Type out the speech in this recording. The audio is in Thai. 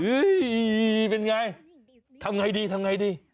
เฮ้ยเป็นไงทำไงดี